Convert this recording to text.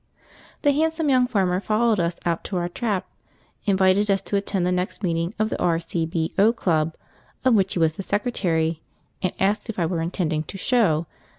{Not asked to the Conference: p84.jpg} The handsome young farmer followed us out to our trap, invited us to attend the next meeting of the R. C. B. O. Club, of which he was the secretary, and asked if I were intending to "show."